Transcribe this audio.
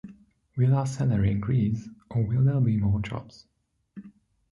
Will our salary increase or will there be more jobs?